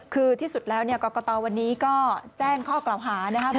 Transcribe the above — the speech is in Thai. คือที่สุดแล้วกรกตวันนี้ก็แจ้งข้อกล่าวหา